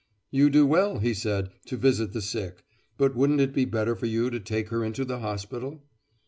'You do well,' he said, 'to visit the sick, but wouldn't it be better for you to take her into the hospital?